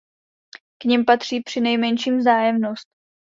K nim patří přinejmenším vzájemnost.